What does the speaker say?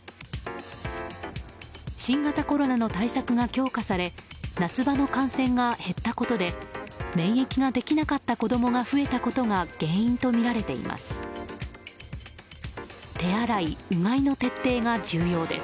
新型コロナの対策が強化され夏場の感染が減ったことで免疫ができなかった子供が増えたことが原因とみられています。